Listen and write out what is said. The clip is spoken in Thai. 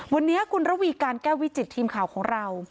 วันนี้คุณระวีการแก้ววิจิตทีมข่าวของเรา